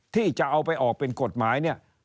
ที่จะเอาไปออกเป็นกฎหมาย